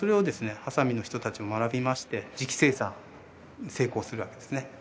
波佐見の人達も学びまして磁器生産に成功するわけですね